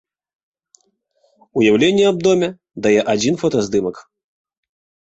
Уяўленне аб доме дае адзін фотаздымак.